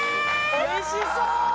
おいしそう！